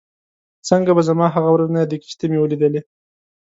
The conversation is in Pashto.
څنګه به زما هغه ورځ نه یادېږي چې ته مې ولیدلې؟